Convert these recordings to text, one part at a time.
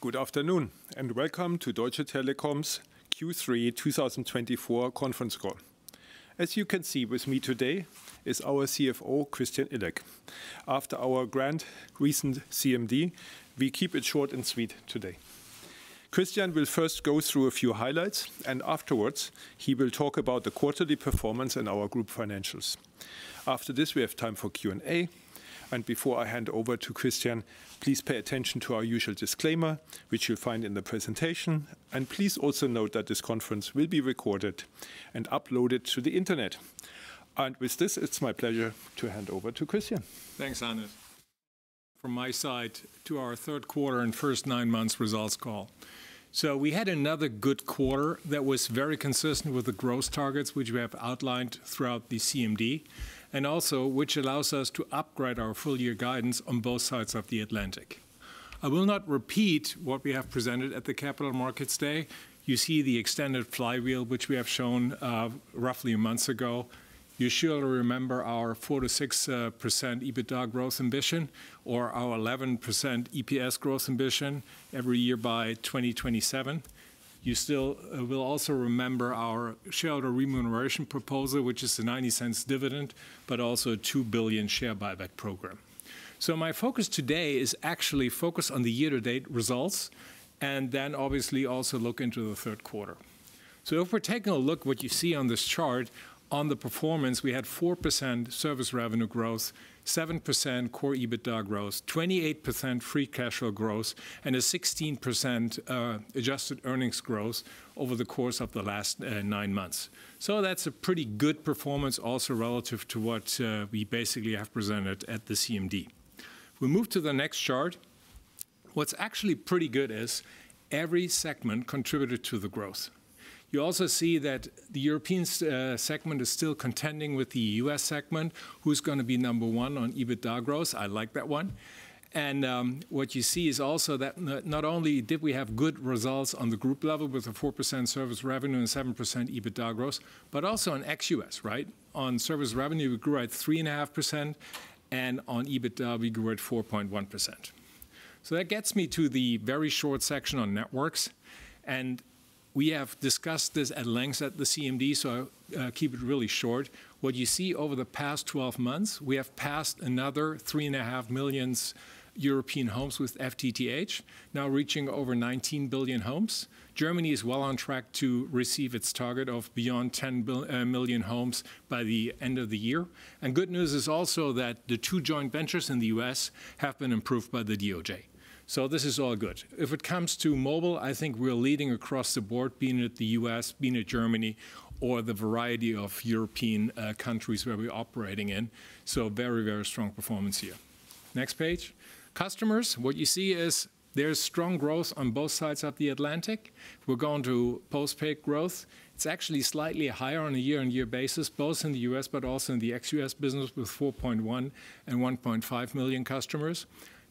Good afternoon, and welcome to Deutsche Telekom's Q3 2024 conference call. As you can see, with me today is our CFO, Christian Illek. After our grand recent CMD, we keep it short and sweet today. Christian will first go through a few highlights, and afterwards he will talk about the quarterly performance and our group financials. After this, we have time for Q&A, and before I hand over to Christian, please pay attention to our usual disclaimer, which you'll find in the presentation. And please also note that this conference will be recorded and uploaded to the internet. And with this, it's my pleasure to hand over to Christian. Thanks, Hannes. From my side to our third quarter and first nine months results call. So we had another good quarter that was very consistent with the growth targets, which we have outlined throughout the CMD, and also which allows us to upgrade our full year guidance on both sides of the Atlantic. I will not repeat what we have presented at the Capital Markets Day. You see the extended flywheel, which we have shown roughly a month ago. You surely remember our 4%-6% EBITDA growth ambition, or our 11% EPS growth ambition every year by 2027. You still will also remember our shareholder remuneration proposal, which is a 0.90 dividend, but also a 2 billion share buyback program. So my focus today is actually focused on the year-to-date results, and then obviously also look into the third quarter. So if we're taking a look at what you see on this chart, on the performance, we had 4% service revenue growth, 7% core EBITDA growth, 28% free cash flow growth, and a 16% adjusted earnings growth over the course of the last nine months. So that's a pretty good performance also relative to what we basically have presented at the CMD. We move to the next chart. What's actually pretty good is every segment contributed to the growth. You also see that the European segment is still contending with the US segment, who's going to be number one on EBITDA growth. I like that one. And what you see is also that not only did we have good results on the group level with a 4% service revenue and 7% EBITDA growth, but also on ex-US, right? On service revenue, we grew at 3.5%, and on EBITDA, we grew at 4.1%. That gets me to the very short section on networks. We have discussed this at length at the CMD, so I'll keep it really short. What you see over the past 12 months, we have passed another 3.5 million European homes with FTTH, now reaching over 19 million homes. Germany is well on track to receive its target of beyond 10 million homes by the end of the year. Good news is also that the two joint ventures in the U.S. have been approved by the DOJ. This is all good. If it comes to mobile, I think we're leading across the board, being in the U.S., being in Germany, or the variety of European countries where we're operating in. Very, very strong performance here. Next page. Customers, what you see is there's strong growth on both sides of the Atlantic. We're going to postpaid growth. It's actually slightly higher on a year-on-year basis, both in the U.S., but also in the ex-US business with 4.1 and 1.5 million customers.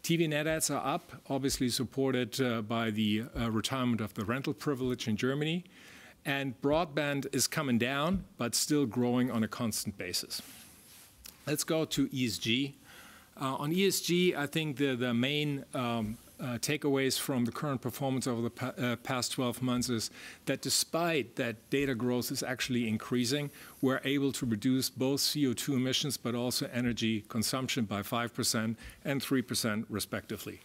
TV net adds are up, obviously supported by the retirement of the rental privilege in Germany, and broadband is coming down, but still growing on a constant basis. Let's go to ESG. On ESG, I think the main takeaways from the current performance over the past 12 months is that despite that data growth is actually increasing, we're able to reduce both CO2 emissions, but also energy consumption by 5% and 3% respectively,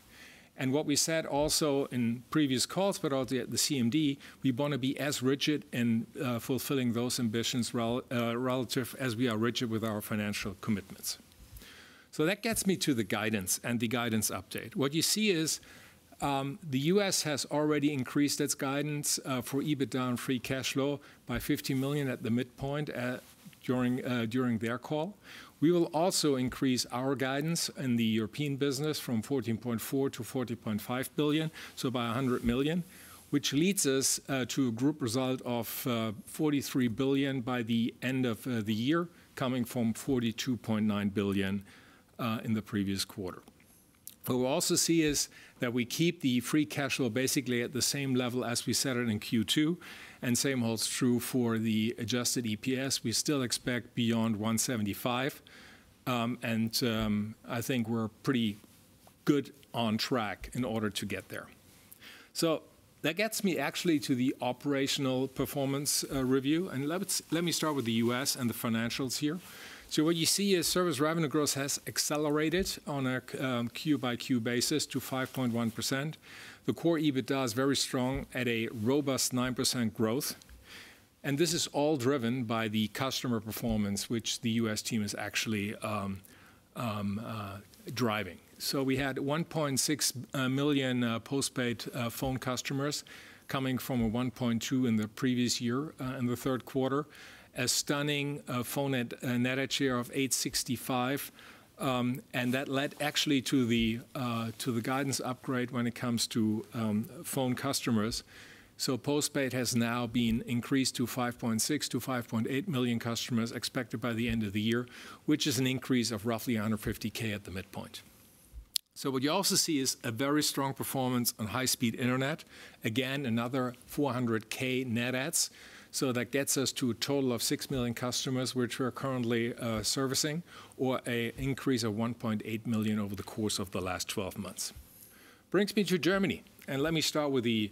and what we said also in previous calls, but also at the CMD, we want to be as rigid in fulfilling those ambitions relative as we are rigid with our financial commitments. That gets me to the guidance and the guidance update. What you see is the US has already increased its guidance for EBITDA and free cash flow by 50 million at the midpoint during their call. We will also increase our guidance in the European business from 14.4 billion to 14.5 billion, so by 100 million, which leads us to a group result of 43 billion by the end of the year, coming from 42.9 billion in the previous quarter. What we also see is that we keep the free cash flow basically at the same level as we set it in Q2, and same holds true for the adjusted EPS. We still expect beyond 1.75, and I think we're pretty good on track in order to get there. That gets me actually to the operational performance review. Let me start with the U.S. and the financials here. So what you see is service revenue growth has accelerated on a Q by Q basis to 5.1%. The Core EBITDA is very strong at a robust 9% growth. And this is all driven by the customer performance, which the U.S. team is actually driving. So we had 1.6 million postpaid phone customers coming from a 1.2 in the previous year in the third quarter, a stunning phone net add share of 865. And that led actually to the guidance upgrade when it comes to phone customers. So postpaid has now been increased to 5.6 to 5.8 million customers expected by the end of the year, which is an increase of roughly 150K at the midpoint. So what you also see is a very strong performance on high-speed internet. Again, another 400K net adds. So that gets us to a total of 6 million customers, which we're currently servicing, or an increase of 1.8 million over the course of the last 12 months. Brings me to Germany. And let me start with the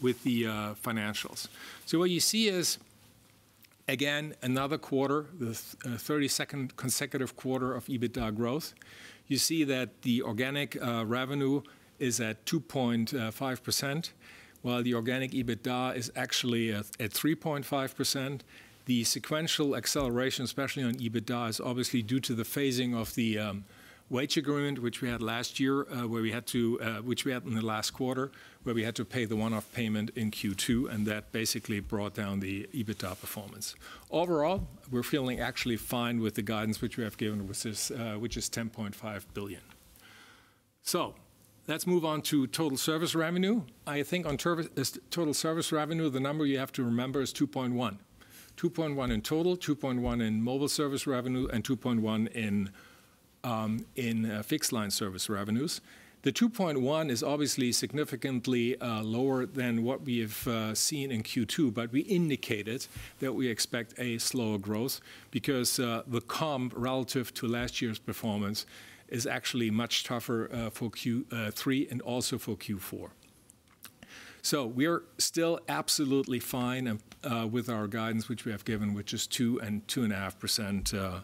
financials. So what you see is, again, another quarter, the 32nd consecutive quarter of EBITDA growth. You see that the organic revenue is at 2.5%, while the organic EBITDA is actually at 3.5%. The sequential acceleration, especially on EBITDA, is obviously due to the phasing of the wage agreement, which we had last year, which we had in the last quarter, where we had to pay the one-off payment in Q2, and that basically brought down the EBITDA performance. Overall, we're feeling actually fine with the guidance, which we have given with this, which is 10.5 billion. So let's move on to total service revenue. I think on total service revenue, the number you have to remember is 2.1%. 2.1% in total, 2.1% in mobile service revenue, and 2.1% in fixed line service revenues. The 2.1% is obviously significantly lower than what we have seen in Q2, but we indicated that we expect a slower growth because the comp relative to last year's performance is actually much tougher for Q3 and also for Q4, so we're still absolutely fine with our guidance, which we have given, which is 2%-2.5%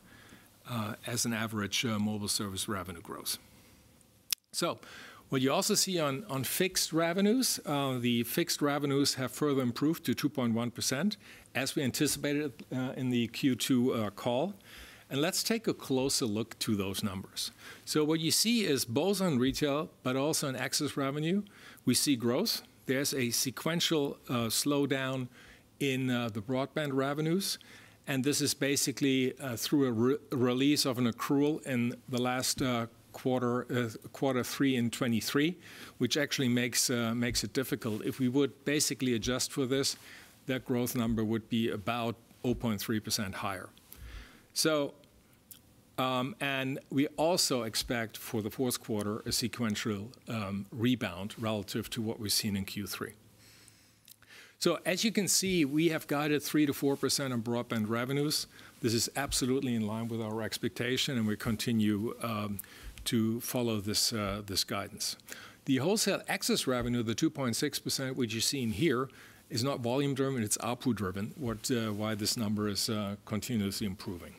as an average mobile service revenue growth. What you also see on fixed revenues, the fixed revenues have further improved to 2.1%, as we anticipated in the Q2 call. And let's take a closer look to those numbers. What you see is both on retail, but also on access revenue, we see growth. There's a sequential slowdown in the broadband revenues. And this is basically through a release of an accrual in the last quarter, quarter three in 2023, which actually makes it difficult. If we would basically adjust for this, that growth number would be about 0.3% higher. And we also expect for the fourth quarter a sequential rebound relative to what we've seen in Q3. So as you can see, we have guided 3%-4% on broadband revenues. This is absolutely in line with our expectation, and we continue to follow this guidance. The wholesale access revenue, the 2.6%, which you've seen here, is not volume driven, it's output driven, why this number is continuously improving.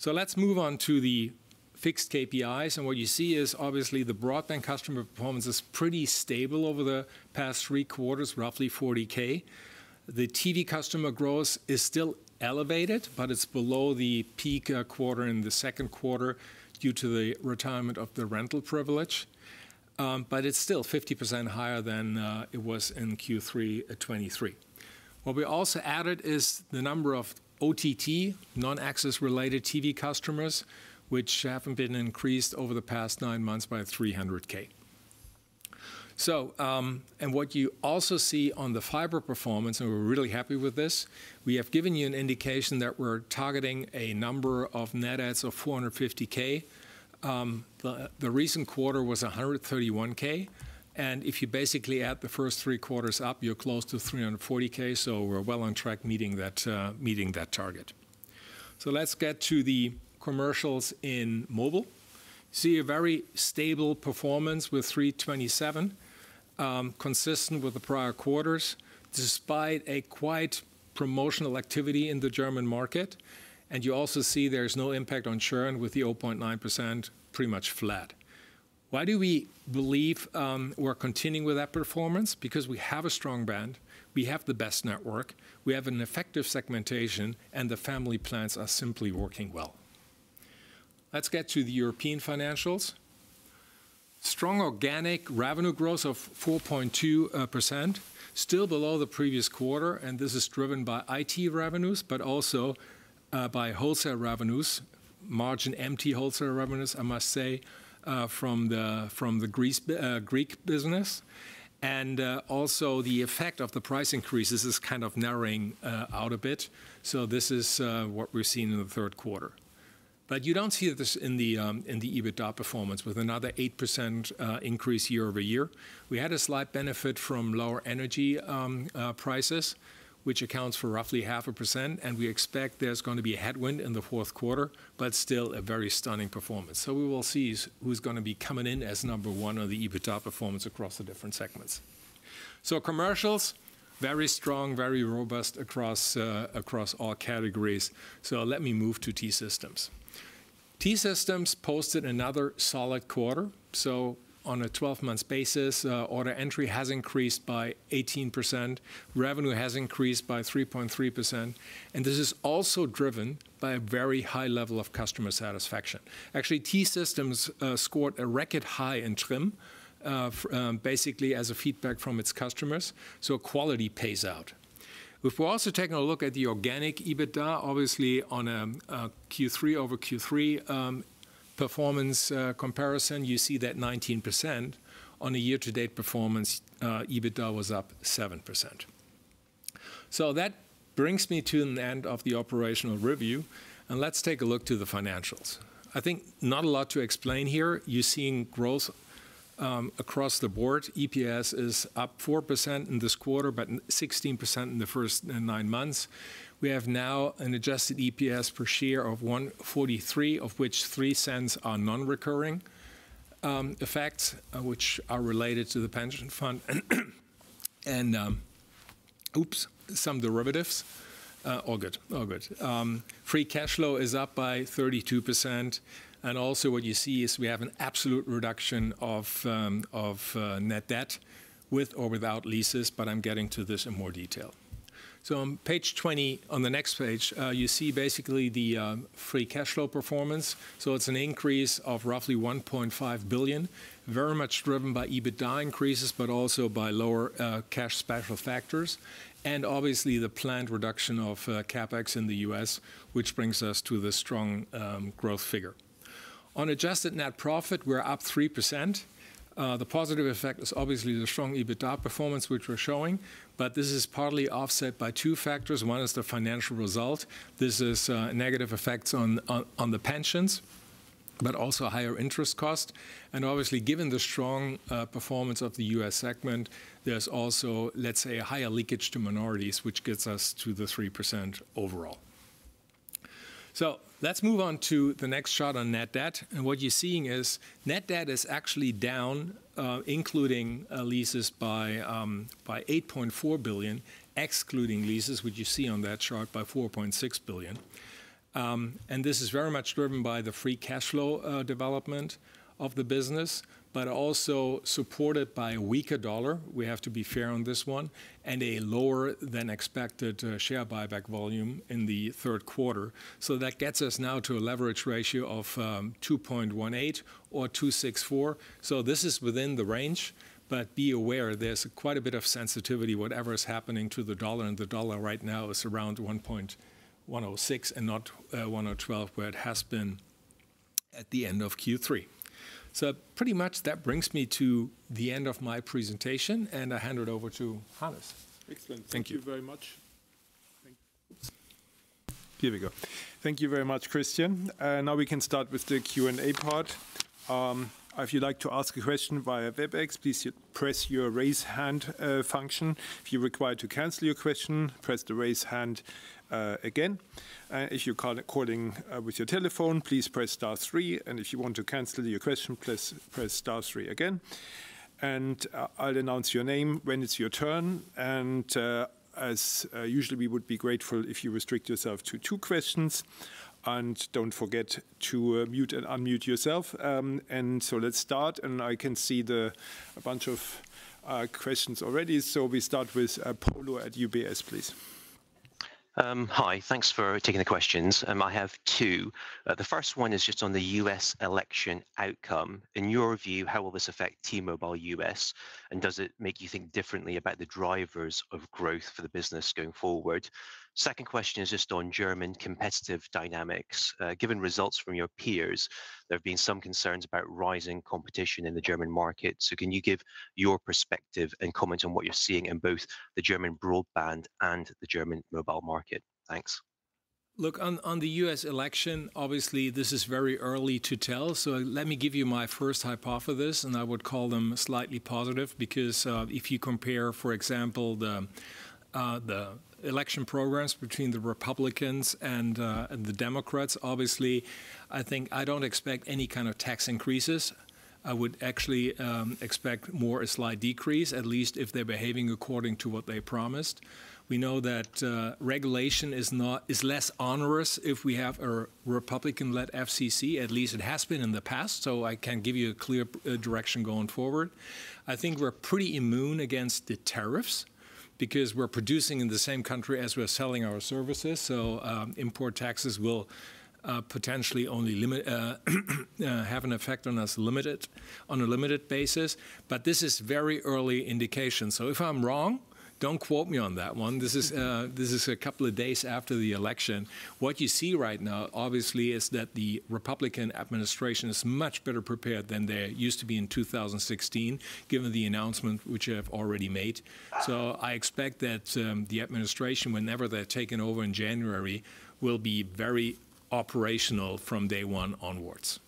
So let's move on to the fixed KPIs. And what you see is obviously the broadband customer performance is pretty stable over the past three quarters, roughly 40K. The TV customer growth is still elevated, but it's below the peak quarter in the second quarter due to the retirement of the rental privilege. But it's still 50% higher than it was in Q3 2023. What we also added is the number of OTT, non-access related TV customers, which have increased over the past nine months by 300K. And what you also see on the fiber performance, and we're really happy with this, we have given you an indication that we're targeting a number of net adds of 450K. The recent quarter was 131K. And if you basically add the first three quarters up, you're close to 340K. So we're well on track meeting that target. So let's get to the commercials in mobile. You see a very stable performance with 327, consistent with the prior quarters, despite a quite promotional activity in the German market. You also see there's no impact on churn with the 0.9%, pretty much flat. Why do we believe we're continuing with that performance? Because we have a strong brand, we have the best network, we have an effective segmentation, and the family plans are simply working well. Let's get to the European financials. Strong organic revenue growth of 4.2%, still below the previous quarter, and this is driven by IT revenues, but also by wholesale revenues, marginally, I must say, from the Greek business. Also, the effect of the price increases is kind of narrowing out a bit. This is what we're seeing in the third quarter. You don't see this in the EBITDA performance with another 8% increase year-over-year. We had a slight benefit from lower energy prices, which accounts for roughly 0.5%, and we expect there's going to be a headwind in the fourth quarter, but still a very stunning performance. So we will see who's going to be coming in as number one on the EBITDA performance across the different segments. So commercials, very strong, very robust across all categories. So let me move to T-Systems. T-Systems posted another solid quarter. So on a 12-month basis, order entry has increased by 18%, revenue has increased by 3.3%, and this is also driven by a very high level of customer satisfaction. Actually, T-Systems scored a record high in TRIM, basically as a feedback from its customers. So quality pays out. If we're also taking a look at the organic EBITDA, obviously on a Q3 over Q3 performance comparison, you see that 19% on a year-to-date performance, EBITDA was up 7%. So that brings me to the end of the operational review. And let's take a look to the financials. I think not a lot to explain here. You're seeing growth across the board. EPS is up 4% in this quarter, but 16% in the first nine months. We have now an adjusted EPS per share of 1.43, of which 3 cents are non-recurring effects, which are related to the pension fund. And oops, some derivatives. All good, all good. Free cash flow is up by 32%. And also what you see is we have an absolute reduction of net debt with or without leases, but I'm getting to this in more detail. So on page 20, on the next page, you see basically the free cash flow performance. So it's an increase of roughly 1.5 billion, very much driven by EBITDA increases, but also by lower cash special factors. And obviously the planned reduction of CapEx in the U.S., which brings us to the strong growth figure. On adjusted net profit, we're up 3%. The positive effect is obviously the strong EBITDA performance, which we're showing, but this is partly offset by two factors. One is the financial result. This is negative effects on the pensions, but also higher interest costs. And obviously, given the strong performance of the U.S. segment, there's also, let's say, a higher leakage to minorities, which gets us to the 3% overall. So let's move on to the next chart on net debt. And what you're seeing is net debt is actually down, including leases, by 8.4 billion, excluding leases, which you see on that chart by 4.6 billion. And this is very much driven by the free cash flow development of the business, but also supported by a weaker dollar. We have to be fair on this one, and a lower than expected share buyback volume in the third quarter. So that gets us now to a leverage ratio of 2.18 or 2.64. So this is within the range, but be aware, there's quite a bit of sensitivity whatever is happening to the dollar. And the dollar right now is around 1.106 and not 1.12, where it has been at the end of Q3. So pretty much that brings me to the end of my presentation, and I hand it over to Hannes. Thank you very much. Here we go. Thank you very much, Christian. Now we can start with the Q&A part. If you'd like to ask a question via WebEx, please press your raise hand function. If you're required to cancel your question, press the raise hand again. And if you're calling with your telephone, please press star three. And if you want to cancel your question, press star three again. And I'll announce your name when it's your turn. And as usual, we would be grateful if you restrict yourself to two questions. And don't forget to mute and unmute yourself. And so let's start. And I can see a bunch of questions already. So we start with Polo at UBS, please. Hi, thanks for taking the questions. I have two. The first one is just on the U.S. election outcome. In your view, how will this affect T-Mobile US? Does it make you think differently about the drivers of growth for the business going forward? Second question is just on German competitive dynamics. Given results from your peers, there have been some concerns about rising competition in the German market. So can you give your perspective and comment on what you're seeing in both the German broadband and the German mobile market? Thanks. Look, on the U.S. election, obviously, this is very early to tell. Let me give you my first hypothesis, and I would call them slightly positive because if you compare, for example, the election programs between the Republicans and the Democrats, obviously, I think I don't expect any kind of tax increases. I would actually expect more a slight decrease, at least if they're behaving according to what they promised. We know that regulation is less onerous if we have a Republican-led FCC, at least it has been in the past. So I can give you a clear direction going forward. I think we're pretty immune against the tariffs because we're producing in the same country as we're selling our services. So import taxes will potentially only have an effect on us on a limited basis. But this is very early indication. So if I'm wrong, don't quote me on that one. This is a couple of days after the election. What you see right now, obviously, is that the Republican administration is much better prepared than they used to be in 2016, given the announcement which I have already made. So I expect that the administration, whenever they're taken over in January, will be very operational from day one onwards.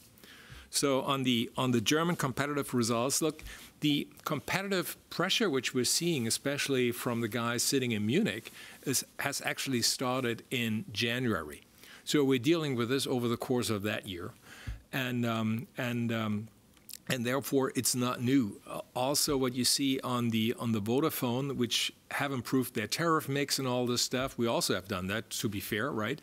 On the German competitive results, look, the competitive pressure, which we're seeing, especially from the guys sitting in Munich, has actually started in January. We're dealing with this over the course of that year. Therefore, it's not new. Also, what you see on the Vodafone, which have improved their tariff mix and all this stuff, we also have done that, to be fair, right?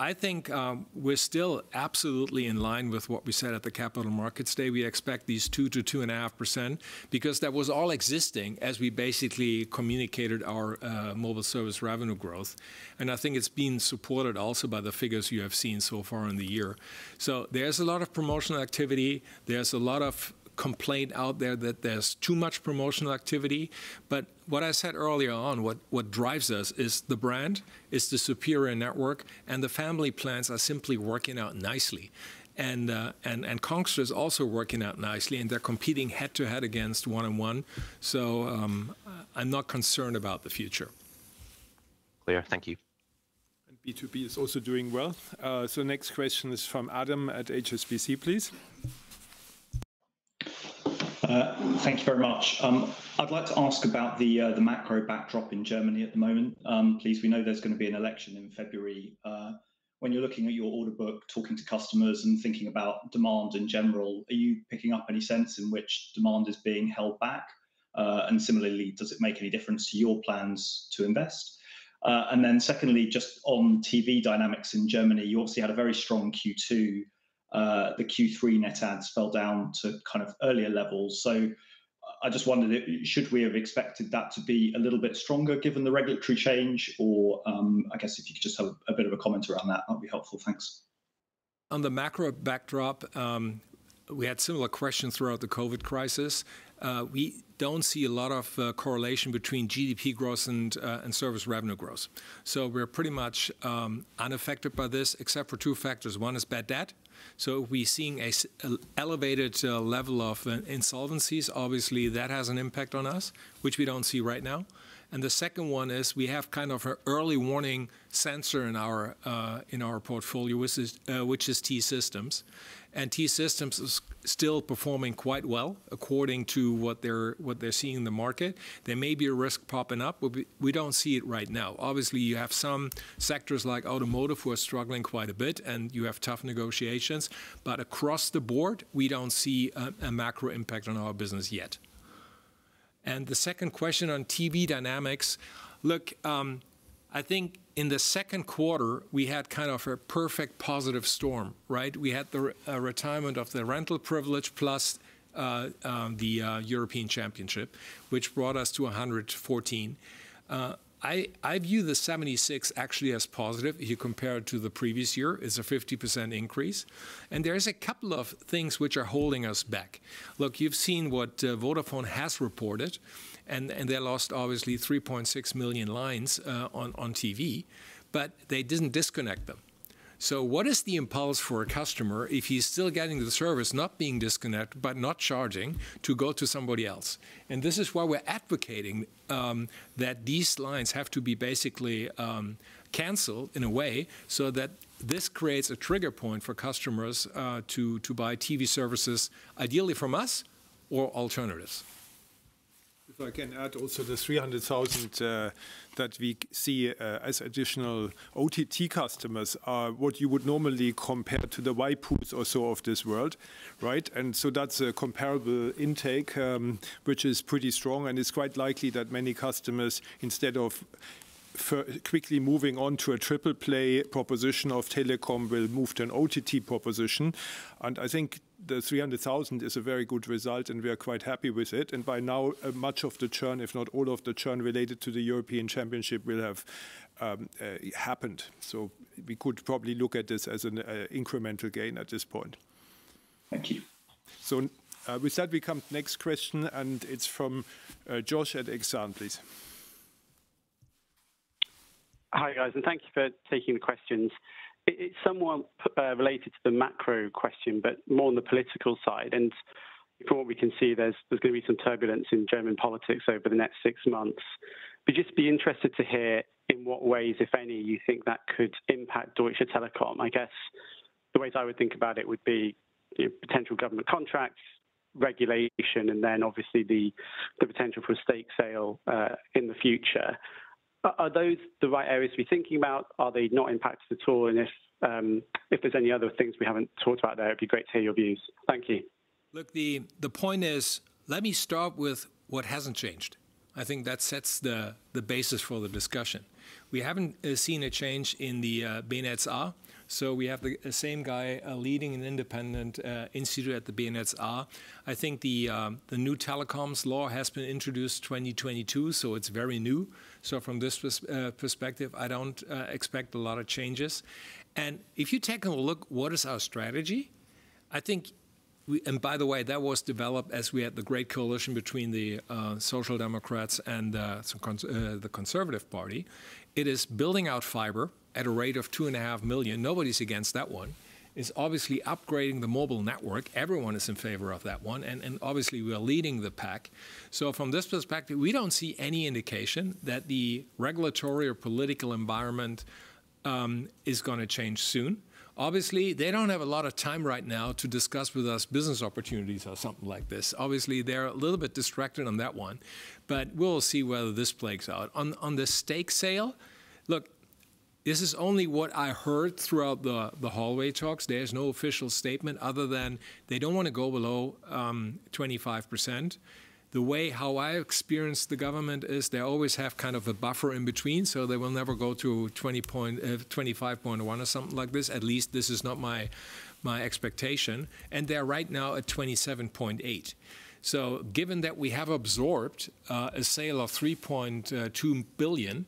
I think we're still absolutely in line with what we said at the Capital Markets Day. We expect these 2%-2.5% because that was all existing as we basically communicated our mobile service revenue growth. I think it's been supported also by the figures you have seen so far in the year. There's a lot of promotional activity. There's a lot of complaints out there that there's too much promotional activity. But what I said earlier on, what drives us is the brand, is the superior network, and the family plans are simply working out nicely. And Congstar is also working out nicely, and they're competing head to head against 1&1. So I'm not concerned about the future. Clear. Thank you. And B2B is also doing well. So next question is from Adam at HSBC, please. Thank you very much. I'd like to ask about the macro backdrop in Germany at the moment. Please, we know there's going to be an election in February. When you're looking at your order book, talking to customers and thinking about demand in general, are you picking up any sense in which demand is being held back? And similarly, does it make any difference to your plans to invest? Then secondly, just on TV dynamics in Germany, you also had a very strong Q2. The Q3 net adds fell down to kind of earlier levels. So I just wondered, should we have expected that to be a little bit stronger given the regulatory change? Or I guess if you could just have a bit of a comment around that, that would be helpful. Thanks. On the macro backdrop, we had similar questions throughout the COVID crisis. We don't see a lot of correlation between GDP growth and service revenue growth. So we're pretty much unaffected by this, except for two factors. One is bad debt. So we're seeing an elevated level of insolvencies. Obviously, that has an impact on us, which we don't see right now. And the second one is we have kind of an early warning sensor in our portfolio, which is T-Systems. T-Systems is still performing quite well according to what they're seeing in the market. There may be a risk popping up. We don't see it right now. Obviously, you have some sectors like automotive who are struggling quite a bit, and you have tough negotiations. But across the board, we don't see a macro impact on our business yet. The second question on TV dynamics, look, I think in the second quarter, we had kind of a perfect positive storm, right? We had the retirement of the Rental Privilege plus the European Championship, which brought us to 114. I view the 76 actually as positive if you compare it to the previous year. It's a 50% increase. There are a couple of things which are holding us back. Look, you've seen what Vodafone has reported, and they lost obviously 3.6 million lines on TV, but they didn't disconnect them. So what is the impulse for a customer if he's still getting the service not being disconnected, but not charging, to go to somebody else? And this is why we're advocating that these lines have to be basically canceled in a way so that this creates a trigger point for customers to buy TV services, ideally from us or alternatives. If I can add also the 300,000 that we see as additional OTT customers, what you would normally compare to the Waipus or so of this world, right? And so that's a comparable intake, which is pretty strong. And it's quite likely that many customers, instead of quickly moving on to a triple play proposition of telecom, will move to an OTT proposition. I think the 300,000 is a very good result, and we are quite happy with it. By now, much of the churn, if not all of the churn related to the European Championship, will have happened. We could probably look at this as an incremental gain at this point. Thank you. With that, we come to the next question, and it's from Joshua at Exane, please. Hi guys, and thank you for taking the questions. It's somewhat related to the macro question, but more on the political side. From what we can see, there's going to be some turbulence in German politics over the next six months. We'd just be interested to hear in what ways, if any, you think that could impact Deutsche Telekom. I guess the ways I would think about it would be potential government contracts, regulation, and then obviously the potential for a stake sale in the future. Are those the right areas to be thinking about? Are they not impacted at all? And if there's any other things we haven't talked about there, it'd be great to hear your views. Thank you. Look, the point is, let me start with what hasn't changed. I think that sets the basis for the discussion. We haven't seen a change in the BNetzA, so we have the same guy leading an independent institute at the BNetzA. I think the new telecoms law has been introduced in 2022, so it's very new. So from this perspective, I don't expect a lot of changes. And if you take a look, what is our strategy? I think, and by the way, that was developed as we had the great coalition between the Social Democrats and the Conservative Party. It is building out fiber at a rate of 2.5 million. Nobody's against that one. It's obviously upgrading the mobile network. Everyone is in favor of that one, and obviously, we're leading the pack, so from this perspective, we don't see any indication that the regulatory or political environment is going to change soon. Obviously, they don't have a lot of time right now to discuss with us business opportunities or something like this. Obviously, they're a little bit distracted on that one, but we'll see whether this plays out. On the stake sale, look, this is only what I heard throughout the hallway talks. There's no official statement other than they don't want to go below 25%. The way how I experience the government is they always have kind of a buffer in between, so they will never go to 25.1% or something like this. At least this is not my expectation. And they're right now at 27.8%. So given that we have absorbed a sale of 3.2 billion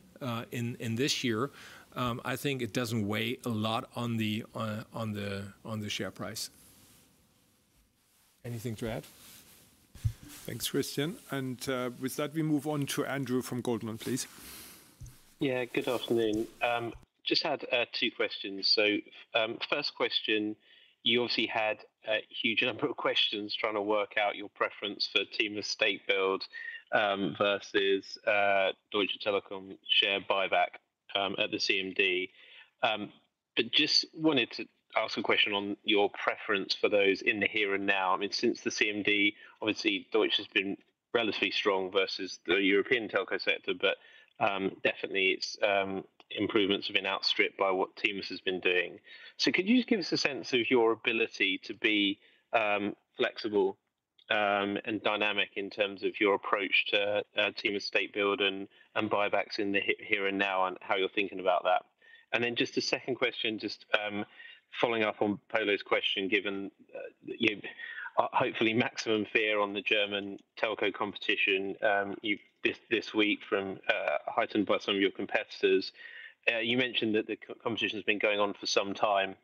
in this year, I think it doesn't weigh a lot on the share price. Anything to add? Thanks, Christian. And with that, we move on to Andrew from Goldman, please. Yeah, good afternoon. Just had two questions. So first question, you obviously had a huge number of questions trying to work out your preference for T-Mobile stake build versus Deutsche Telekom share buyback at the CMD. But just wanted to ask a question on your preference for those in the here and now. I mean, since the CMD, obviously, Deutsche has been relatively strong versus the European telco sector, but definitely its improvements have been outstripped by what T-Mobile has been doing. So could you just give us a sense of your ability to be flexible and dynamic in terms of your approach to T-Mobile stake build and buybacks in the here and now and how you're thinking about that? And then just a second question, just following up on Paulo's question, given hopefully maximum fear on the German telco competition this week from heightened by some of your competitors. You mentioned that the competition has been going on for some time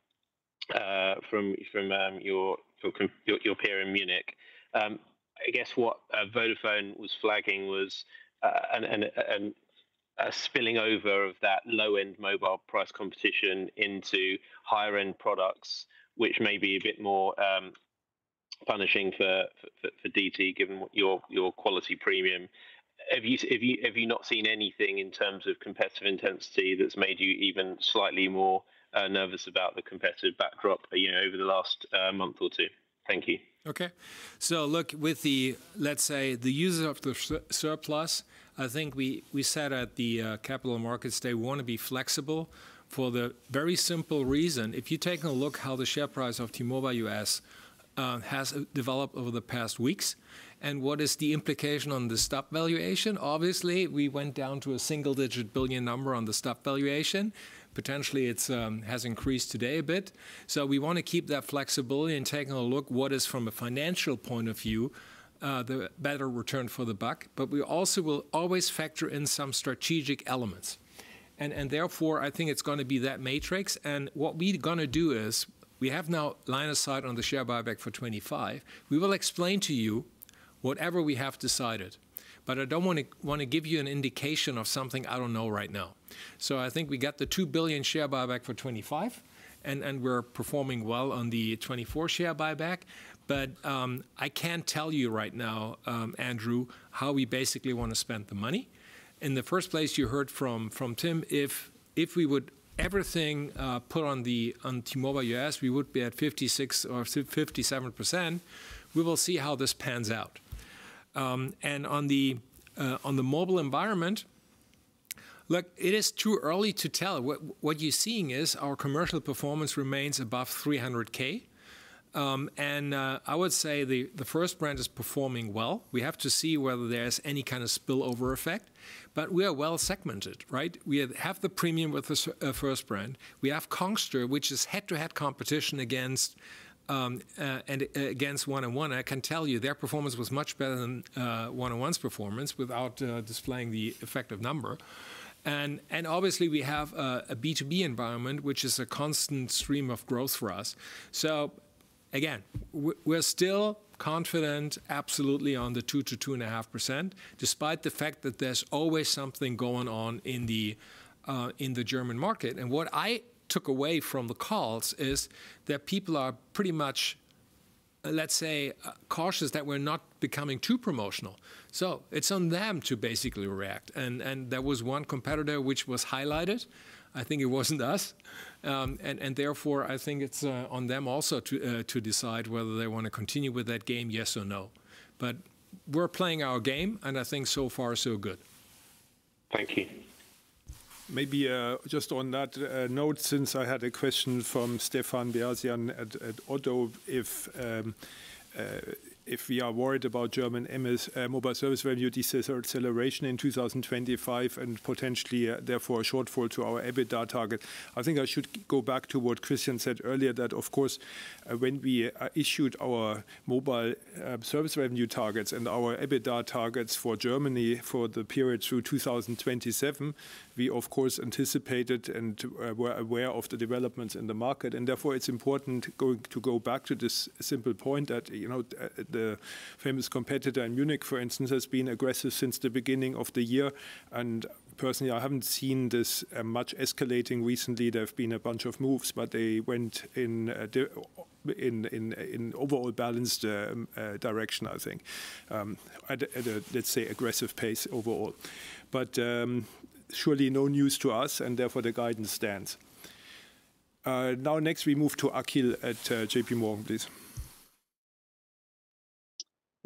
from your peer in Munich. I guess what Vodafone was flagging was a spilling over of that low-end mobile price competition into higher-end products, which may be a bit more punishing for DT given your quality premium. Have you not seen anything in terms of competitive intensity that's made you even slightly more nervous about the competitive backdrop over the last month or two? Thank you. Okay. So look, with the, let's say, the use of the surplus, I think we said at the Capital Markets Day, we want to be flexible for the very simple reason. If you take a look at how the share price of T-Mobile US has developed over the past weeks, and what is the implication on the stock valuation? Obviously, we went down to a single-digit billion number on the stock valuation. Potentially, it has increased today a bit. So we want to keep that flexibility and take a look at what is, from a financial point of view, the better return for the buck. But we also will always factor in some strategic elements. Therefore, I think it's going to be that matrix. What we're going to do is we have now set aside on the share buyback for 2025. We will explain to you whatever we have decided, but I don't want to give you an indication of something I don't know right now. I think we got the 2 billion share buyback for 2025, and we're performing well on the 2024 share buyback. But I can't tell you right now, Andrew, how we basically want to spend the money. In the first place, you heard from Tim, if we would everything put on T-Mobile US, we would be at 56% or 57%. We will see how this pans out. On the mobile environment, look, it is too early to tell. What you're seeing is our commercial performance remains above 300K. I would say the first brand is performing well. We have to see whether there's any kind of spillover effect, but we are well segmented, right? We have the premium with the first brand. We have Congstar, which is head-to-head competition against 1&1. I can tell you their performance was much better than 1&1's performance without displaying the effective number. And obviously, we have a B2B environment, which is a constant stream of growth for us. So again, we're still confident absolutely on the 2%-2.5%, despite the fact that there's always something going on in the German market. And what I took away from the calls is that people are pretty much, let's say, cautious that we're not becoming too promotional. So it's on them to basically react. And there was one competitor which was highlighted. I think it wasn't us. And therefore, I think it's on them also to decide whether they want to continue with that game, yes or no. But we're playing our game, and I think so far, so good. Thank you. Maybe just on that note, since I had a question from Stefan Bialsian at ODDO, if we are worried about German mobile service revenue deceleration in 2025 and potentially therefore a shortfall to our EBITDA target, I think I should go back to what Christian said earlier, that of course, when we issued our mobile service revenue targets and our EBITDA targets for Germany for the period through 2027, we of course anticipated and were aware of the developments in the market. And therefore, it's important to go back to this simple point that the famous competitor in Munich, for instance, has been aggressive since the beginning of the year. And personally, I haven't seen this much escalating recently. There have been a bunch of moves, but they went in an overall balanced direction, I think, at a, let's say, aggressive pace overall. But surely no news to us, and therefore the guidance stands. Now next, we move to Akhil at J.P. Morgan, please.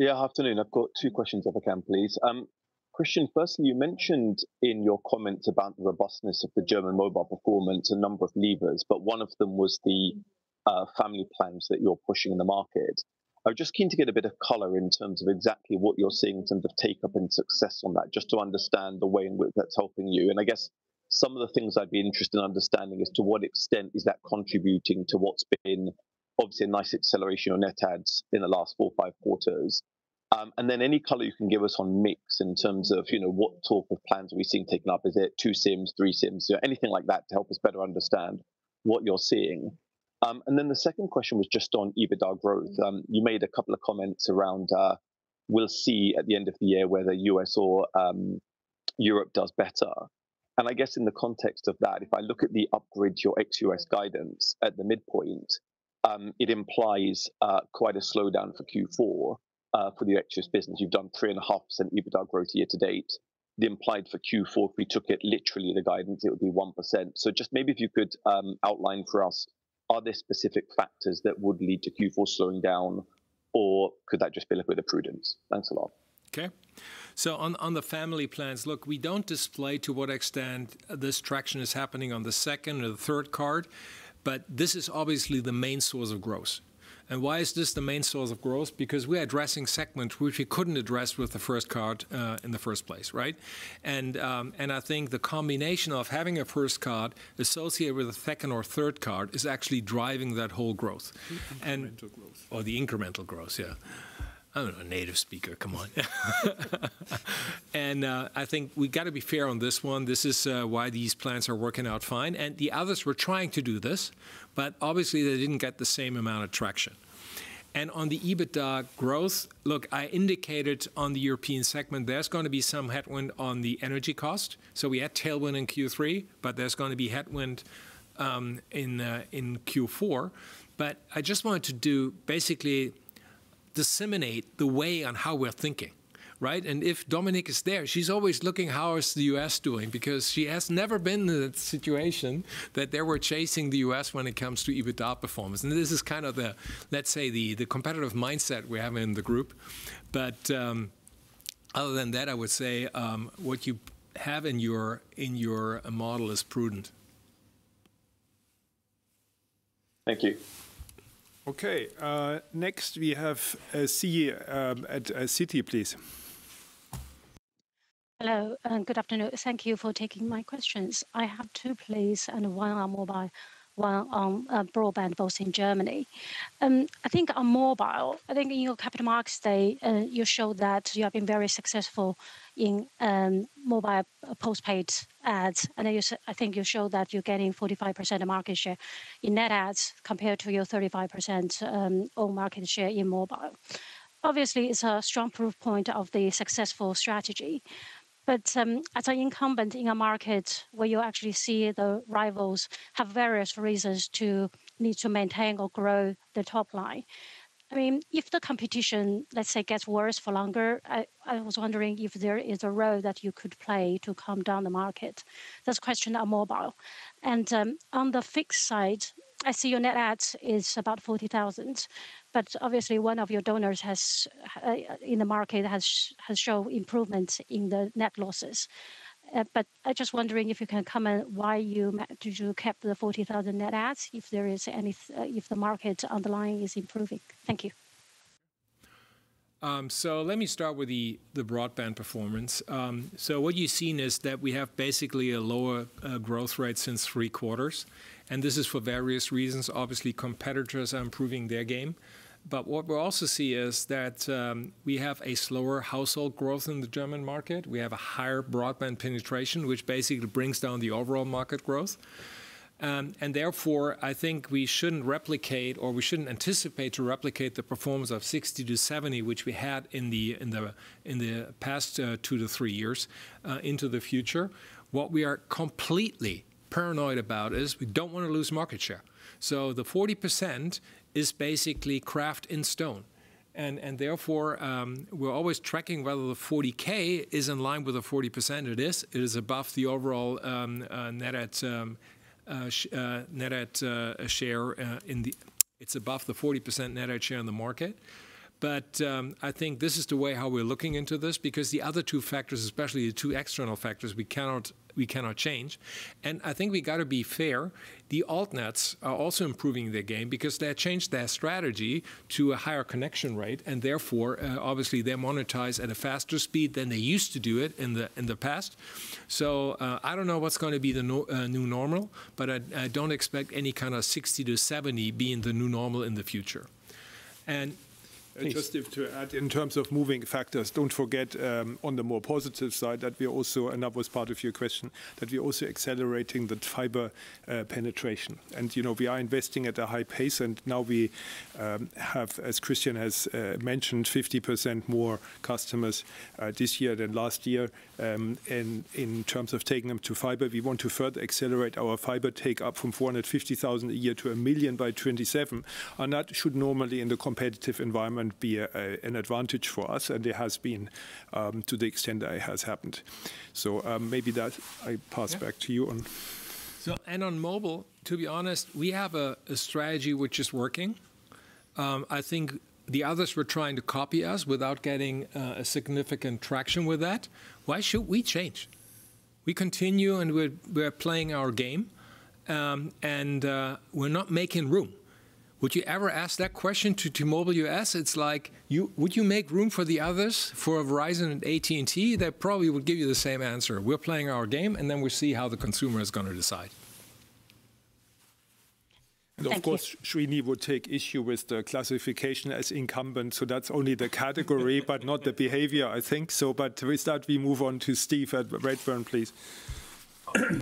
Yeah, afternoon. I've got two questions if I can, please. Christian, firstly, you mentioned in your comments about the robustness of the German mobile performance, a number of levers, but one of them was the family plans that you're pushing in the market. I'm just keen to get a bit of color in terms of exactly what you're seeing in terms of take-up and success on that, just to understand the way in which that's helping you. I guess some of the things I'd be interested in understanding is to what extent is that contributing to what's been obviously a nice acceleration on Net Adds in the last four, five quarters. And then any color you can give us on mix in terms of what type of plans we've seen taken up, is it two SIMs, three SIMs, anything like that to help us better understand what you're seeing. And then the second question was just on EBITDA growth. You made a couple of comments around we'll see at the end of the year whether U.S. or Europe does better. And I guess in the context of that, if I look at the upgrade, your ex-U.S. guidance at the midpoint, it implies quite a slowdown for Q4 for the ex-U.S. business. You've done 3.5% EBITDA growth year to date. The implied for Q4, if we took it literally, the guidance, it would be 1%. So just maybe if you could outline for us, are there specific factors that would lead to Q4 slowing down, or could that just be a little bit of prudence? Thanks a lot. Okay. So on the family plans, look, we don't display to what extent this traction is happening on the second or the third card, but this is obviously the main source of growth. And why is this the main source of growth? Because we're addressing segments which we couldn't address with the first card in the first place, right? And I think the combination of having a first card associated with a second or third card is actually driving that whole growth. And incremental growth. Or the incremental growth, yeah. I'm a native speaker, come on. I think we've got to be fair on this one. This is why these plans are working out fine. The others, we're trying to do this, but obviously they didn't get the same amount of traction. On the EBITDA growth, look, I indicated on the European segment, there's going to be some headwind on the energy cost. We had tailwind in Q3, but there's going to be headwind in Q4. I just wanted to do basically disseminate the way on how we're thinking, right? If Dominique is there, she's always looking at how is the U.S. doing because she has never been in the situation that they were chasing the U.S. when it comes to EBITDA performance. This is kind of the, let's say, the competitive mindset we have in the group. But other than that, I would say what you have in your model is prudent. Thank you. Okay. Next, we have Siyi at Citi, please. Hello. Good afternoon. Thank you for taking my questions. I have two, please, and one on mobile, one on broadband, both in Germany. I think on mobile. In your Capital Markets Day, you showed that you have been very successful in mobile postpaid adds. And I think you showed that you're getting 45% of market share in Net Adds compared to your 35% of market share in mobile. Obviously, it's a strong proof point of the successful strategy. But as an incumbent in a market where you actually see the rivals have various reasons to need to maintain or grow the top line, I mean, if the competition, let's say, gets worse for longer, I was wondering if there is a role that you could play to calm down the market. That's a question on mobile. And on the fixed side, I see your Net Adds is about 40,000, but obviously one of your altnets in the market has shown improvements in the net losses. But I'm just wondering if you can comment why you kept the 40,000 Net Adds if there is any, if the market underlying is improving. Thank you. So let me start with the broadband performance. So what you've seen is that we have basically a lower growth rate since three quarters. And this is for various reasons. Obviously, competitors are improving their game. But what we also see is that we have a slower household growth in the German market. We have a higher broadband penetration, which basically brings down the overall market growth. And therefore, I think we shouldn't replicate or we shouldn't anticipate to replicate the performance of 60-70, which we had in the past two to three years into the future. What we are completely paranoid about is we don't want to lose market share. So the 40% is basically carved in stone. And therefore, we're always tracking whether the 40K is in line with the 40%. It is. It is above the overall Net Adds share. It's above the 40% Net Adds share in the market. But I think this is the way how we're looking into this because the other two factors, especially the two external factors, we cannot change. And I think we've got to be fair. The Altnets are also improving their game because they have changed their strategy to a higher connection rate. And therefore, obviously, they're monetized at a faster speed than they used to do it in the past. So I don't know what's going to be the new normal, but I don't expect any kind of 60%-70% being the new normal in the future. And just to add in terms of moving factors, don't forget on the more positive side that we also, and that was part of your question, that we're also accelerating the fiber penetration. And we are investing at a high pace. And now we have, as Christian has mentioned, 50% more customers this year than last year. And in terms of taking them to fiber, we want to further accelerate our fiber take-up from 450,000 a year to 1 million by 2027. And that should normally in the competitive environment be an advantage for us. And it has been to the extent that it has happened. So maybe that I pass back to you on. So and on mobile, to be honest, we have a strategy which is working. I think the others were trying to copy us without getting a significant traction with that. Why should we change? We continue and we're playing our game. And we're not making room. Would you ever ask that question to T-Mobile US? It's like, would you make room for the others, for Verizon and AT&T? They probably would give you the same answer. We're playing our game, and then we see how the consumer is going to decide. And of course, Srini would take issue with the classification as incumbent. So that's only the category, but not the behavior, I think so. With that, we move on to Steve at Redburn, please.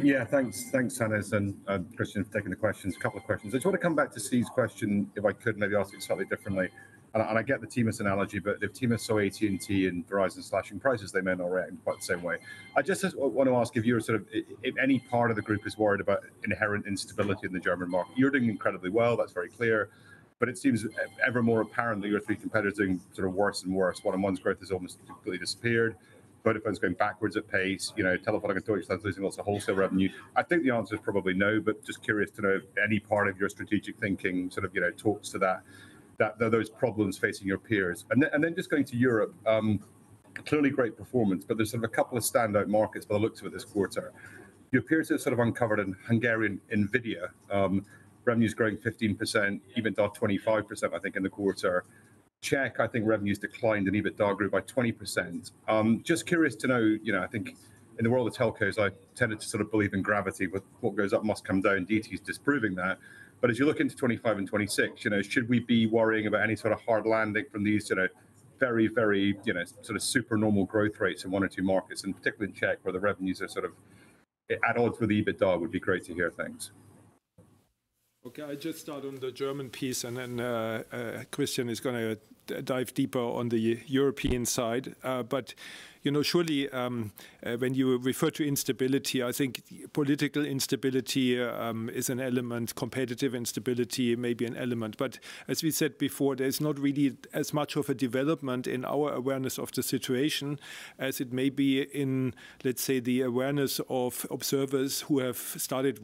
Yeah, thanks. Thanks, Hannes and Christian for taking the questions. A couple of questions. I just want to come back to Steve's question if I could maybe ask it slightly differently. I get the TMUS analogy, but if TMUS saw AT&T and Verizon slashing prices, they may not react in quite the same way. I just want to ask if you're sort of, if any part of the group is worried about inherent instability in the German market. You're doing incredibly well. That's very clear. It seems ever more apparent your three competitors are doing sort of worse and worse. 1&1's growth has almost completely disappeared. Vodafone's going backwards at pace. Telefónica Deutschland's losing lots of wholesale revenue. I think the answer is probably no, but just curious to know if any part of your strategic thinking sort of talks to that, that those problems facing your peers, and then just going to Europe, clearly great performance, but there's sort of a couple of standout markets by the looks of this quarter. Your peers have sort of uncovered in Hungary an Nvidia, revenues growing 15%, EBITDA 25%, I think in the quarter. Czech, I think revenues declined in EBITDA growth by 20%. Just curious to know, I think in the world of telcos, I tended to sort of believe in gravity. What goes up must come down. DT is disproving that. But as you look into 2025 and 2026, should we be worrying about any sort of hard landing from these very, very sort of supernormal growth rates in one or two markets, and particularly in Czech where the revenues are sort of at odds with EBITDA? It would be great to hear things. Okay, I just start on the German piece, and then Christian is going to dive deeper on the European side. But surely when you refer to instability, I think political instability is an element. Competitive instability may be an element. But as we said before, there's not really as much of a development in our awareness of the situation as it may be in, let's say, the awareness of observers who have started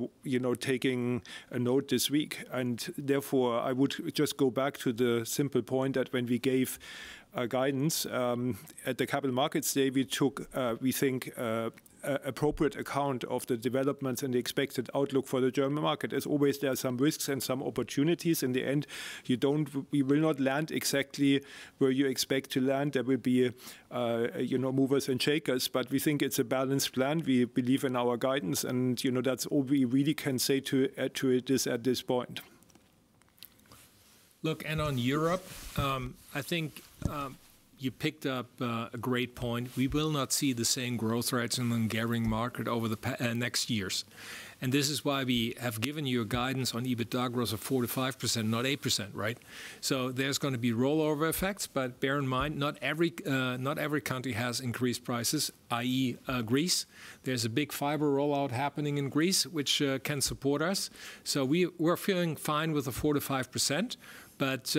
taking a note this week. And therefore, I would just go back to the simple point that when we gave guidance at the Capital Markets Day, we took, we think, an appropriate account of the developments and the expected outlook for the German market. As always, there are some risks and some opportunities. In the end, we will not land exactly where you expect to land. There will be movers and shakers, but we think it's a balanced plan. We believe in our guidance, and that's all we really can say to this at this point. Look, and on Europe, I think you picked up a great point. We will not see the same growth rates in the Hungarian market over the next years. And this is why we have given you a guidance on EBITDA growth of 45%, not 8%, right? So there's going to be rollover effects, but bear in mind, not every country has increased prices, i.e., Greece. There's a big fiber rollout happening in Greece, which can support us. So we're feeling fine with the 4%-5%, but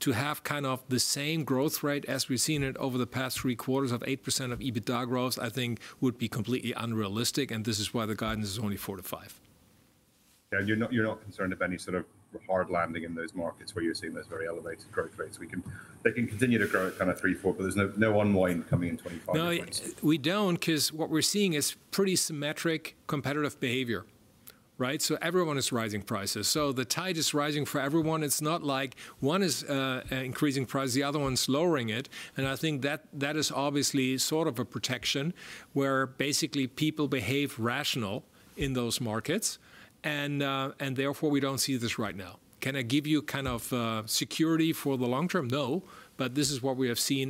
to have kind of the same growth rate as we've seen it over the past three quarters of 8% EBITDA growth, I think would be completely unrealistic. And this is why the guidance is only 4%-5%. Yeah, you're not concerned of any sort of hard landing in those markets where you're seeing those very elevated growth rates? They can continue to grow at kind of 3%-4%, but there's no unwind coming in 2025. No, we don't, because what we're seeing is pretty symmetric competitive behavior, right? So everyone is rising prices. So the tide is rising for everyone. It's not like one is increasing price, the other one's lowering it. And I think that that is obviously sort of a protection where basically people behave rationally in those markets. And therefore, we don't see this right now. Can I give you kind of security for the long term? No, but this is what we have seen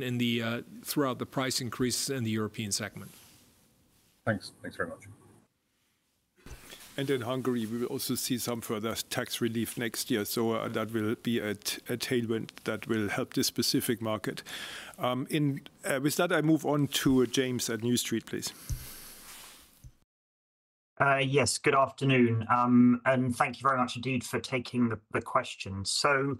throughout the price increases in the European segment. Thanks. Thanks very much. And in Hungary, we will also see some further tax relief next year. So that will be a tailwind that will help this specific market. With that, I move on to James at New Street, please. Yes, good afternoon. And thank you very much indeed for taking the question. So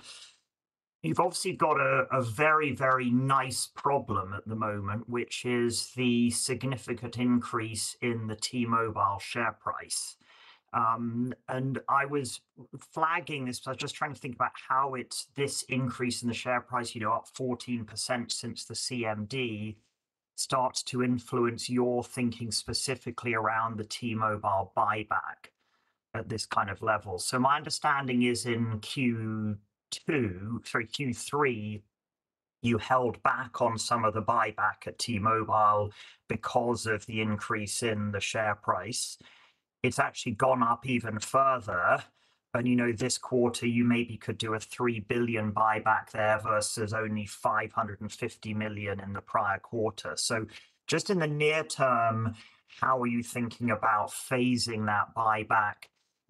you've obviously got a very, very nice problem at the moment, which is the significant increase in the T-Mobile share price. I was flagging this, but I was just trying to think about how this increase in the share price, you know, up 14% since the CMD, starts to influence your thinking specifically around the T-Mobile buyback at this kind of level. So my understanding is in Q2, sorry, Q3, you held back on some of the buyback at T-Mobile because of the increase in the share price. It's actually gone up even further. And you know, this quarter, you maybe could do a 3 billion buyback there versus only 550 million in the prior quarter. So just in the near term, how are you thinking about phasing that buyback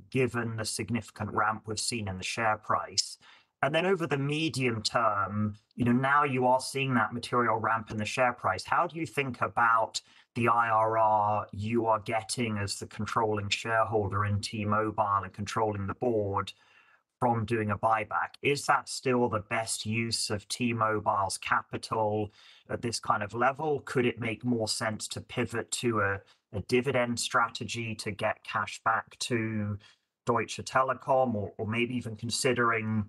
given the significant ramp we've seen in the share price? And then over the medium term, you know, now you are seeing that material ramp in the share price. How do you think about the IRR you are getting as the controlling shareholder in T-Mobile and controlling the board from doing a buyback? Is that still the best use of T-Mobile's capital at this kind of level? Could it make more sense to pivot to a dividend strategy to get cash back to Deutsche Telekom or maybe even considering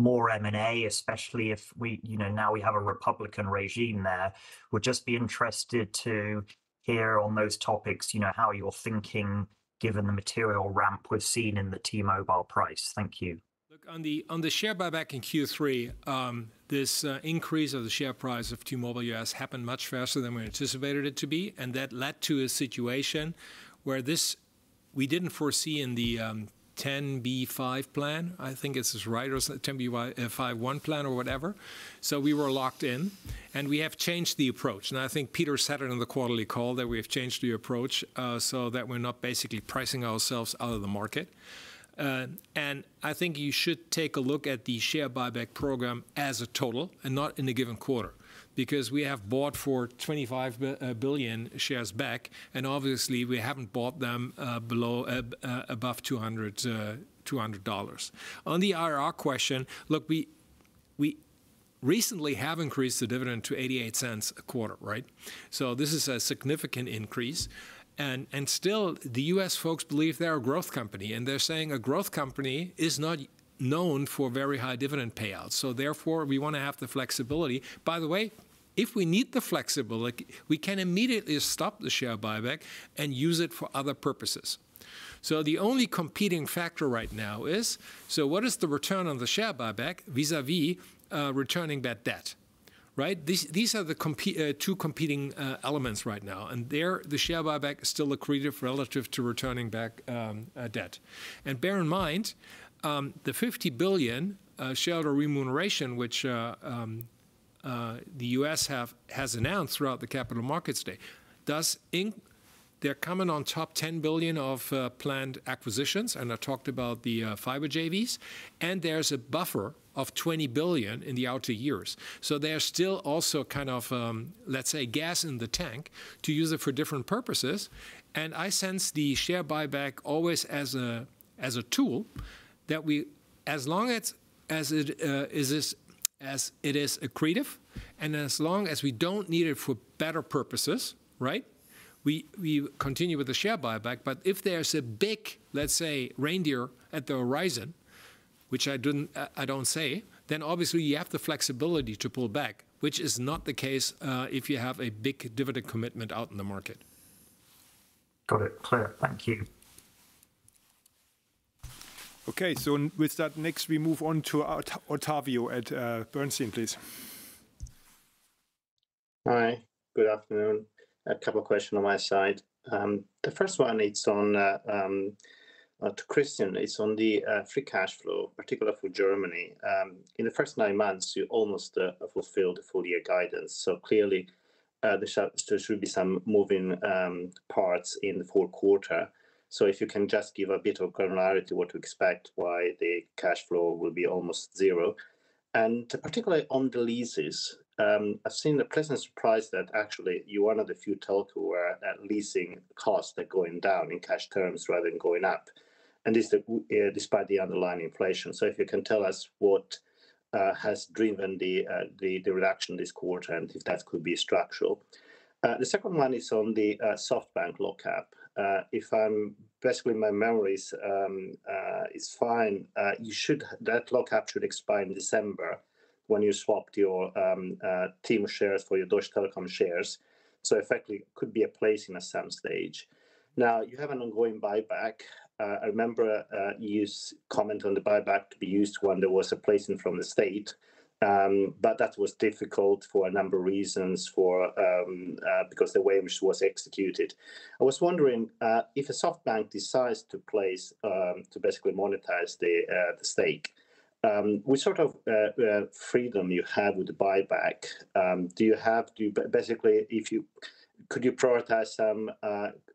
more M&A, especially if we, you know, now we have a Republican regime there? Would just be interested to hear on those topics, you know, how you're thinking given the material ramp we've seen in the T-Mobile price. Thank you. Look, on the share buyback in Q3, this increase of the share price of T-Mobile US happened much faster than we anticipated it to be. And that led to a situation where this we didn't foresee in the 10b5-1 plan, I think it's right, or 10b5-1 plan or whatever. So we were locked in. And we have changed the approach. And I think Peter said it in the quarterly call that we have changed the approach so that we're not basically pricing ourselves out of the market. And I think you should take a look at the share buyback program as a total and not in a given quarter, because we have bought for 25 billion shares back. And obviously, we haven't bought them below above 200. On the IRR question, look, we recently have increased the dividend to 0.88 a quarter, right? So this is a significant increase. And still, the US folks believe they're a growth company. And they're saying a growth company is not known for very high dividend payouts. So therefore, we want to have the flexibility. By the way, if we need the flexibility, we can immediately stop the share buyback and use it for other purposes. So the only competing factor right now is, so what is the return on the share buyback vis-à-vis returning that debt, right? These are the two competing elements right now. And there, the share buyback is still accretive relative to returning back debt. And bear in mind, the 50 billion shareholder remuneration, which the U.S. has announced throughout the Capital Markets Day, does include on top of 10 billion of planned acquisitions. And I talked about the fiber JVs. And there's a buffer of 20 billion in the outer years. So they are still also kind of, let's say, gas in the tank to use it for different purposes. I sense the share buyback always as a tool that we, as long as it is accretive and as long as we don't need it for better purposes, right, we continue with the share buyback. But if there's a big, let's say, acquirer on the horizon, which I don't see, then obviously you have the flexibility to pull back, which is not the case if you have a big dividend commitment out in the market. Got it. Clear. Thank you. Okay, so with that, next we move on to Ottavio at Bernstein, please. Hi, good afternoon. A couple of questions on my side. The first one is on to Christian. It's on the free cash flow, particularly for Germany. In the first nine months, you almost fulfilled the full year guidance. So clearly, there should be some moving parts in the fourth quarter. If you can just give a bit of granularity to what to expect, why the cash flow will be almost zero. And particularly on the leases, I've seen the pleasant surprise that actually you're one of the few telcos where that leasing costs are going down in cash terms rather than going up. And this is despite the underlying inflation. If you can tell us what has driven the reduction this quarter and if that could be structural. The second one is on the SoftBank lock-up. If my memory is fine, you said that lock-up should expire in December when you swapped your T-Mobile shares for your Deutsche Telekom shares. So effectively, it could be a placing at some stage. Now, you have an ongoing buyback. I remember you commented on the buyback to be used when there was a placing from the state, but that was difficult for a number of reasons because the way in which it was executed. I was wondering if a SoftBank decides to place, to basically monetize the stake, which sort of freedom you have with the buyback, do you have to basically, could you prioritize some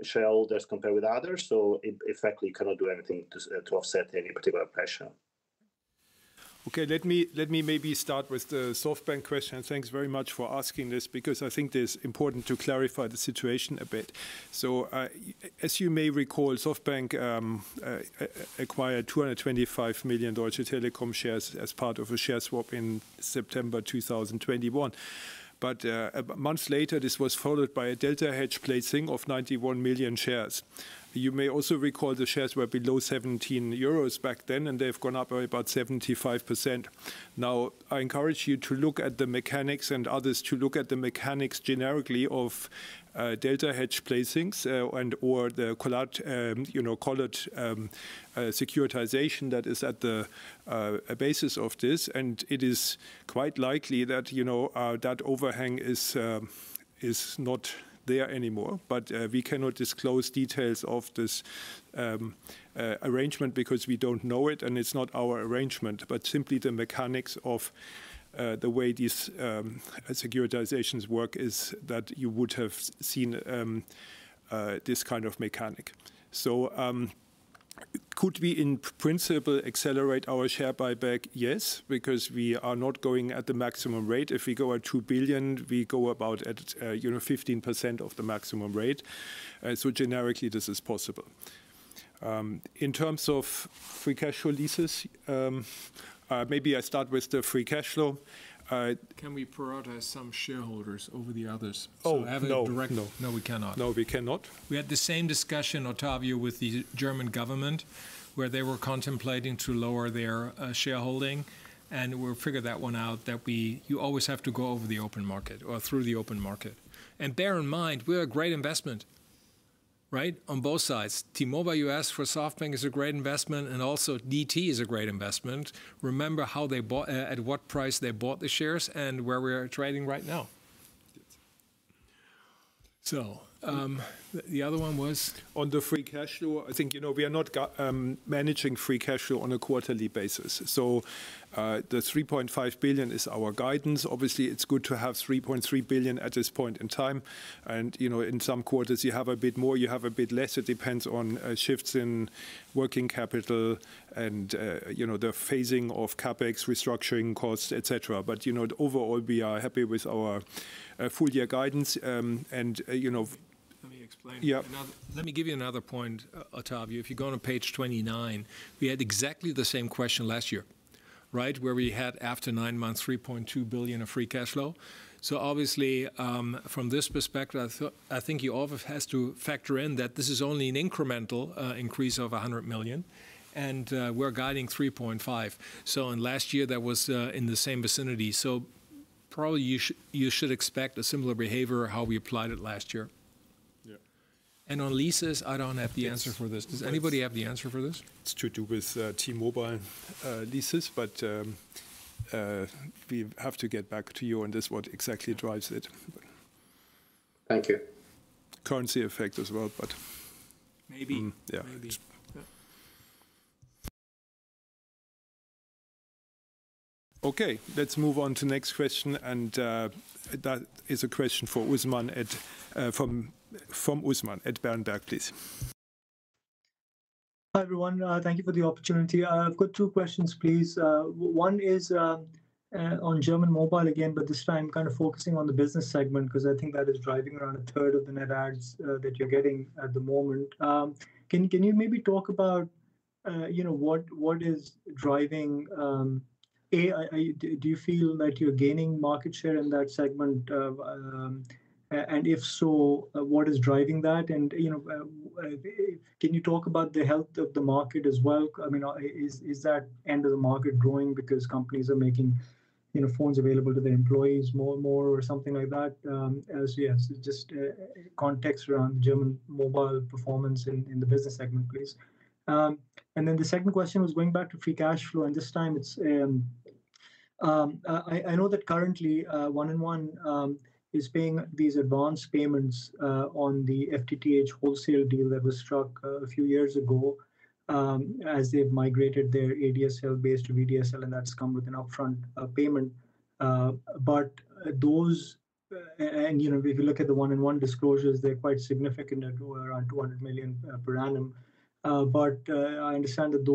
shareholders compared with others? So effectively, you cannot do anything to offset any particular pressure. Okay, let me maybe start with the SoftBank question. Thanks very much for asking this because I think it's important to clarify the situation a bit. So as you may recall, SoftBank acquired 225 million Deutsche Telekom shares as part of a share swap in September 2021. But a month later, this was followed by a Delta Hedge placing of 91 million shares. You may also recall the shares were below 17 euros back then, and they've gone up by about 75%. Now, I encourage you to look at the mechanics and others to look at the mechanics generically of Delta Hedge placings and/or the collateral securitization that is at the basis of this. And it is quite likely that, you know, that overhang is not there anymore. But we cannot disclose details of this arrangement because we don't know it, and it's not our arrangement, but simply the mechanics of the way these securitizations work is that you would have seen this kind of mechanic. So could we in principle accelerate our share buyback? Yes, because we are not going at the maximum rate. If we go at 2 billion, we go about at 15% of the maximum rate. So generically, this is possible. In terms of free cash flow leases, maybe I start with the free cash flow. Can we prioritize some shareholders over the others? Oh, no, no, we cannot. No, we cannot. We had the same discussion, Ottavio, with the German government where they were contemplating to lower their shareholding. And we'll figure that one out that you always have to go over the open market or through the open market. And bear in mind, we're a great investment, right, on both sides. T-Mobile, you asked for SoftBank is a great investment, and also DT is a great investment. Remember how they bought, at what price they bought the shares and where we are trading right now. So the other one was? On the free cash flow, I think, you know, we are not managing free cash flow on a quarterly basis. So the 3.5 billion is our guidance. Obviously, it's good to have 3.3 billion at this point in time. And, you know, in some quarters, you have a bit more, you have a bit less. It depends on shifts in working capital and, you know, the phasing of CapEx, restructuring costs, etc. But, you know, overall, we are happy with our full year guidance. And, you know. Let me explain. Let me give you another point, Ottavio. If you go on to page 29, we had exactly the same question last year, right, where we had after nine months, 3.2 billion of free cash flow. So obviously, from this perspective, I think you always have to factor in that this is only an incremental increase of 100 million. And we're guiding 3.5. So in last year, that was in the same vicinity. So probably you should expect a similar behavior or how we applied it last year. Yeah. And on leases, I don't have the answer for this. Does anybody have the answer for this? It's to do with T-Mobile leases, but we have to get back to you on this, what exactly drives it. Thank you. Currency effect as well, but. Maybe. Yeah. Okay, let's move on to the next question. And that is a question for Usman from Berenberg, please. Hi everyone, thank you for the opportunity. I've got two questions, please. One is on German mobile again, but this time kind of focusing on the business segment because I think that is driving around a third of the net adds that you're getting at the moment. Can you maybe talk about, you know, what is driving? Do you feel that you're gaining market share in that segment? And if so, what is driving that? You know, can you talk about the health of the market as well? I mean, is that end of the market growing because companies are making, you know, phones available to their employees more and more or something like that? Yes, just context around German mobile performance in the business segment, please. Then the second question was going back to free cash flow. And this time it's, I know that currently 1&1 is paying these advanced payments on the FTTH wholesale deal that was struck a few years ago as they've migrated their ADSL base to VDSL, and that's come with an upfront payment. But those, and you know, if you look at the 1&1 disclosures, they're quite significant at around 200 million per annum. But I understand that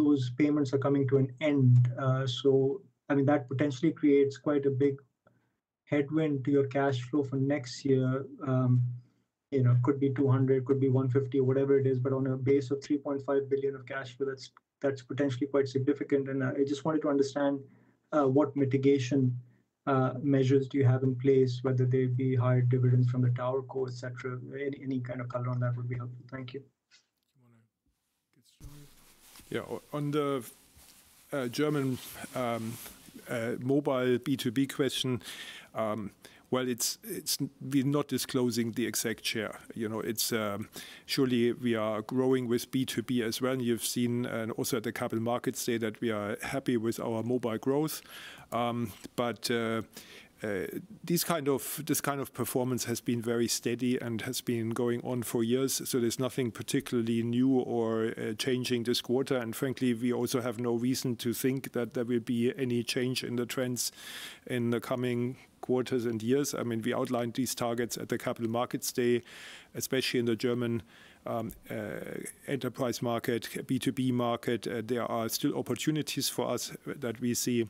those payments are coming to an end. So I mean, that potentially creates quite a big headwind to your cash flow for next year. You know, it could be 200, it could be 150 or whatever it is, but on a base of 3.5 billion of cash flow, that's potentially quite significant. And I just wanted to understand what mitigation measures do you have in place, whether they be higher dividends from the TowerCo sector.? Any kind of color on that would be helpful. Thank you. Yeah, on the German mobile B2B question, well, we're not disclosing the exact share. You know, surely we are growing with B2B as well. And you've seen also at the Capital Markets Day that we are happy with our mobile growth. But this kind of performance has been very steady and has been going on for years. So there's nothing particularly new or changing this quarter. Frankly, we also have no reason to think that there will be any change in the trends in the coming quarters and years. I mean, we outlined these targets at the Capital Markets Day, especially in the German enterprise market, B2B market. There are still opportunities for us that we see.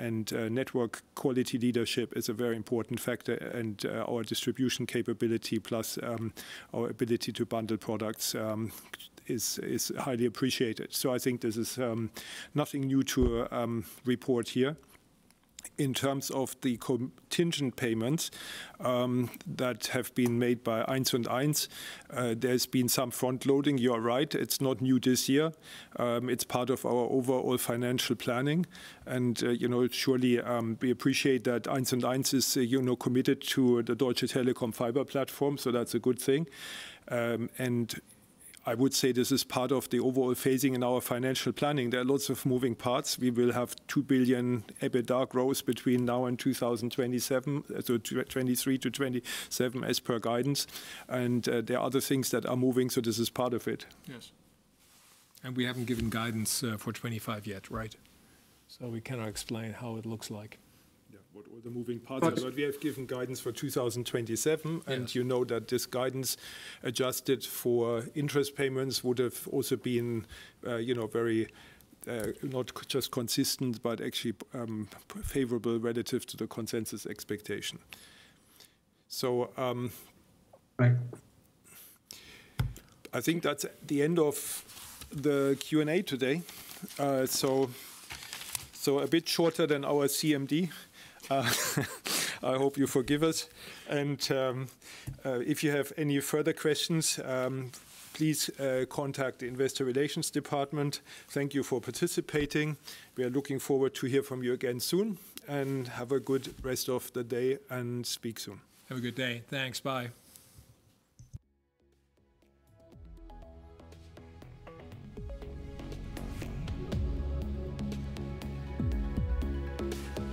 Network quality leadership is a very important factor. Our distribution capability, plus our ability to bundle products is highly appreciated. So I think this is nothing new to report here. In terms of the contingent payments that have been made by 1&1, there's been some front loading. You're right. It's not new this year. It's part of our overall financial planning. You know, surely we appreciate that 1&1 is committed to the Deutsche Telekom fiber platform. So that's a good thing. I would say this is part of the overall phasing in our financial planning. There are lots of moving parts. We will have 2 billion EBITDA growth between now and 2027, so 2023-2027 as per guidance. And there are other things that are moving. So this is part of it. Yes. And we haven't given guidance for 2025 yet, right? So we cannot explain how it looks like. Yeah, what were the moving parts? But we have given guidance for 2027. And you know that this guidance adjusted for interest payments would have also been, you know, very not just consistent, but actually favorable relative to the consensus expectation. So I think that's the end of the Q&A today. So a bit shorter than our CMD. I hope you forgive us. And if you have any further questions, please contact the Investor Relations Department. Thank you for participating. We are looking forward to hear from you again soon, and have a good rest of the day and speak soon. Have a good day. Thanks. Bye.